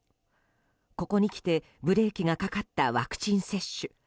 ここに来てブレーキがかかったワクチン接種。